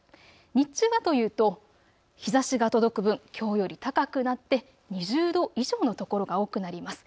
日中はというと日ざしが届く分、きょうより高くなって２０度以上の所が多くなります。